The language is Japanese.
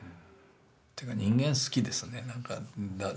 っていうか人間好きですねなんか。